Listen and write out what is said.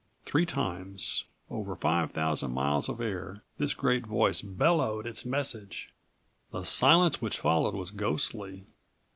Three times, over five thousand miles of air, this great voice bellowed its message. The silence which followed was ghostly.